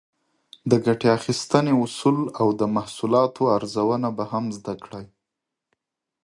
د ګټې اخیستنې اصول او د محصولاتو ارزونه به هم زده کړئ.